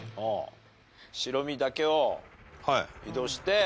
白身だけを移動して。